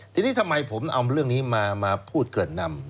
ทีนี้ทำไมผมเอาเรื่องนี้มาพูดเกริ่นนำ